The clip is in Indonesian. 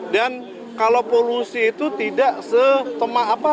dan kalau polusi itu tidak se